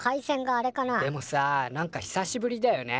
でもさなんか久しぶりだよね。